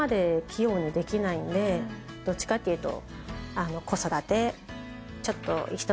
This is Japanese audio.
どっちかっていうと。